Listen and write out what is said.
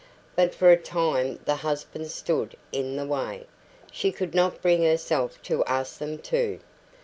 But for a time the husbands stood in the way. She could not bring herself to ask them too.